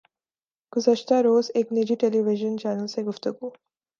گزشتہ روز ایک نجی ٹیلی وژن چینل سے گفتگو